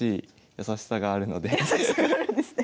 優しさがあるんですね。